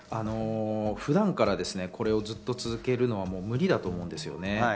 普段からこれをずっと続けるのは無理だと思うんですよね。